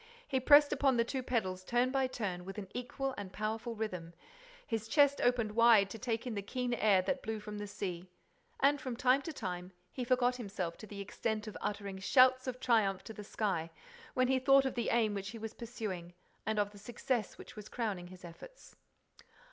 He pressed upon the two pedals turn by turn, with an equal and powerful rhythm; his chest opened wide to take in the keen air that blew from the sea. And, from time to time, he forgot himself to the extent of uttering shouts of triumph to the sky, when he thought of the aim which he was pursuing and of the success that was crowning his efforts.